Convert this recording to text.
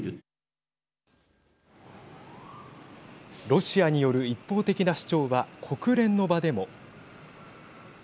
ロシアによる一方的な主張は国連の場でも。